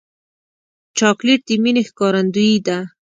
چاکلېټ د مینې ښکارندویي ده.